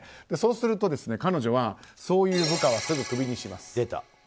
そうすると、そういう部下はすぐクビにします。